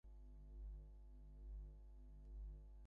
ওদের সাথে এমন হলে ভালো লাগতো?